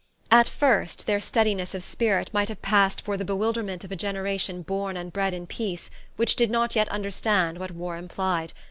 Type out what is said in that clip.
At first their steadiness of spirit might have passed for the bewilderment of a generation born and bred in peace, which did not yet understand what war implied.